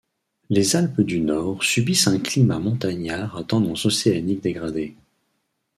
Les Alpes du Nord subissent un climat montagnard à tendance océanique dégradée.